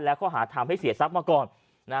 และค่อหาทำให้เสียซักมาก่อน